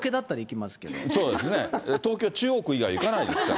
そうですね、東京・中央区以外行かないですから。